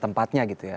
tempatnya gitu ya